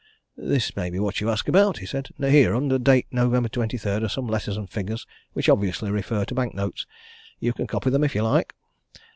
"This may be what you ask about," he said at last. "Here, under date November 23, are some letters and figures which obviously refer to bank notes. You can copy them if you like."